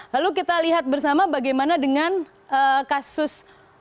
lalu kita lihat bersama bagaimana dengan kasus